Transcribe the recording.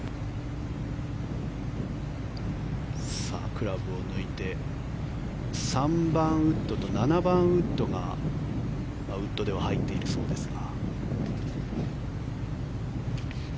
クラブを抜いて３番ウッドと７番ウッドがウッドでは入っているそうですが。